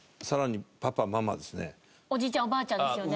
おじいちゃんおばあちゃんですよね？